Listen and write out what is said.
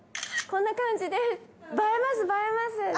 こんな感じです！